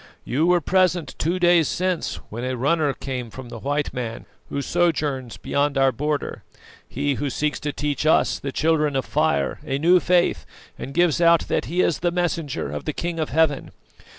You were present two days since when a runner came from the white man who sojourns beyond our border, he who seeks to teach us, the Children of Fire, a new faith, and gives out that he is the messenger of the King of heaven.